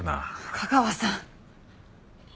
架川さん！